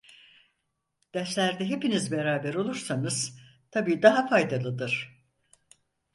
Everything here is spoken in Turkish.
Derslerde hepiniz beraber olursanız tabii daha faydalıdır.